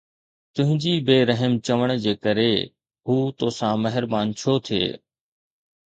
تنھنجي بي رحم چوڻ جي ڪري ھو توسان مھربان ڇو ٿئي؟